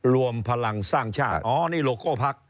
รวมพลังสร้างชาติอ๋อนี่โลโก้พัก